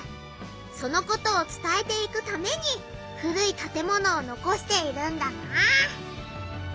そのことを伝えていくために古い建物を残しているんだな。